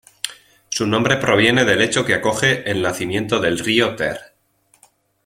Su nombre proviene del hecho que acoge el nacimiento del río Ter.